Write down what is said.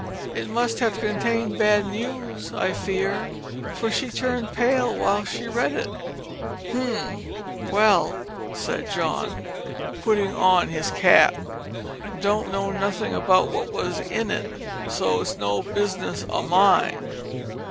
It must have contained bad news, I fear, for she turned pale while she read it." "H'm, well," said John, putting on his cap, "don't know nothin' about what was in it, so it's no bizzness o' mine."